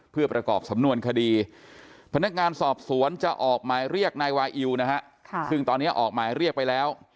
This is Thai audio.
พนักงานสอบสวนจะออกหมายเรียกนายวายิวซึ่งตอนนี้ออกหมายเรียกไปแล้ว